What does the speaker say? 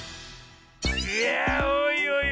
いやおい